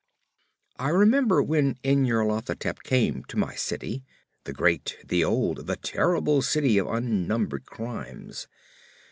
I remember when Nyarlathotep came to my city—the great, the old, the terrible city of unnumbered crimes.